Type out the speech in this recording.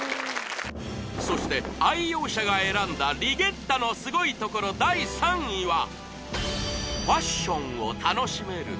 そして愛用者が選んだリゲッタのすごいところ第３位は！